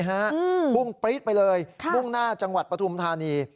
ฮือมุ่งปริ๊บไปเลยค่ะมุ่งหน้าจังหวัดปทุมธรรมนี